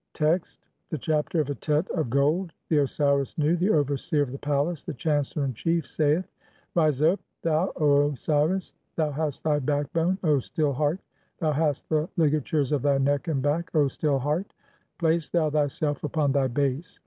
Text : (1) THE CHAPTER OF A TET OF GOLD. The Osiris Nu, the overseer of the palace, the chancellor in chief, saith :— (2) "Rise up thou, O Osiris. [Thou hast thy backbone, O Still "Heart, thou hast the ligatures of thy neck and back, O Still "Heart]. 1 Place thou thyself upon thy base.